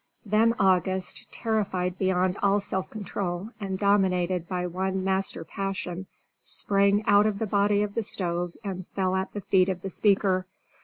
Then August, terrified beyond all self control, and dominated by one master passion, sprang out of the body of the stove and fell at the feet of the speaker.